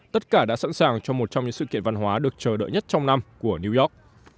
tất cả đã sẵn sàng cho một trong những sự kiện văn hóa được chờ đợi nhất trong năm của new york